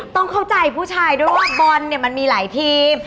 ต้องเข้าใจผู้ชายด้วยว่าบอลเนี่ยมันมีหลายทีม